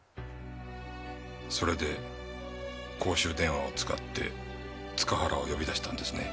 それで公衆電話を使って塚原を呼び出したんですね？